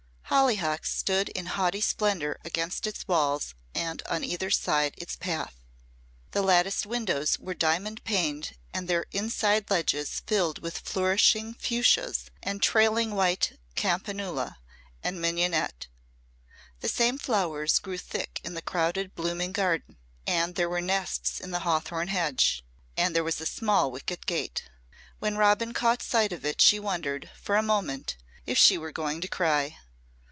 Hollyhocks stood in haughty splendour against its walls and on either side its path. The latticed windows were diamond paned and their inside ledges filled with flourishing fuchsias and trailing white campanula, and mignonette. The same flowers grew thick in the crowded blooming garden. And there were nests in the hawthorn hedge. And there was a small wicket gate. When Robin caught sight of it she wondered for a moment if she were going to cry.